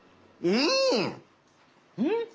うん？